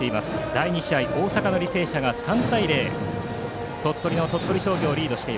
第２試合は大阪の履正社が３対０と鳥取・鳥取商業をリード。